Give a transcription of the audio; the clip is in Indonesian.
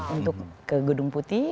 untuk ke gudung putih